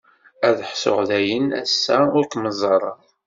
Ad ḥṣuɣ dayen assa ur kem-ẓerreɣ.